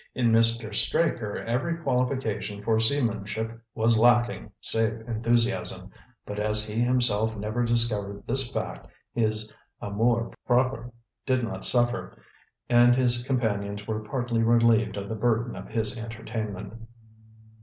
In Mr. Straker every qualification for seamanship was lacking save enthusiasm, but as he himself never discovered this fact, his amour propre did not suffer, and his companions were partly relieved of the burden of his entertainment.